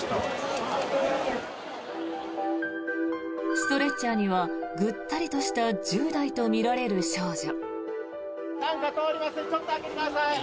ストレッチャーにはぐったりとした１０代とみられる少女。